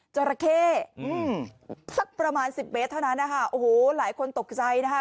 จราเข้อืมสักประมาณสิบเมตรเท่านั้นนะคะโอ้โหหลายคนตกใจนะคะ